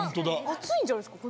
熱いんじゃないっすか？